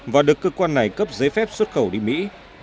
và được cơ quan này cấp giấy phép xuất khẩu đi mỹ